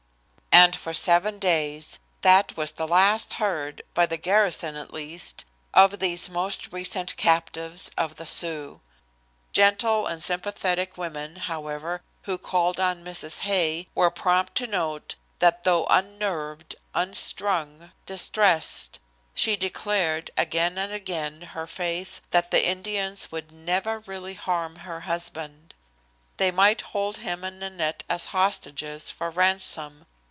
And for seven days that was the last heard, by the garrison, at least, of these most recent captives of the Sioux. Gentle and sympathetic women, however, who called on Mrs. Hay, were prompt to note that though unnerved, unstrung, distressed, she declared again and again her faith that the Indians would never really harm her husband. They might hold him and Nanette as hostages for ransom.